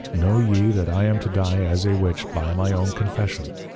Know ye that I am to die as a Witch, by my own Confession!